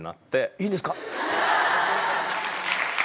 いいんですか？